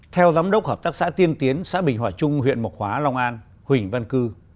theo giám đốc hợp tác xã tiên tiến xã bình hòa trung huyện mộc hóa long an huỳnh văn cư